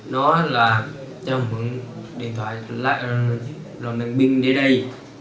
nó là cho mượn điện thoại lòng đàn binh đến đây